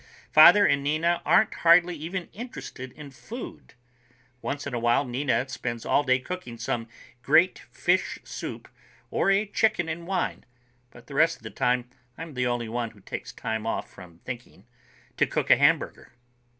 Father and Nina aren't hardly even interested in food. Once in a while Nina spends all day cooking some great fish soup or a chicken in wine, but the rest of the time I'm the only one who takes time off from thinking to cook a hamburger.